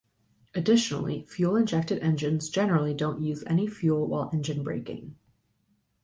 Additionally, fuel injected engines generally don't use any fuel while engine braking.